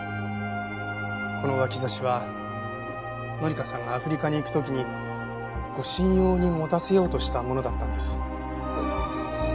この脇差しは紀香さんがアフリカに行く時に護身用に持たせようとしたものだったんです。